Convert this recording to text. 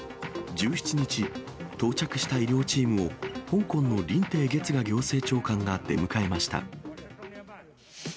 １７日、到着した医療チームを、香港の林鄭月娥行政長官が出迎えました。